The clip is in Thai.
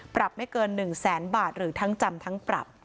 ปรับไม่เกิน๑แสนบาทหรือทั้งจำทั้งปรับ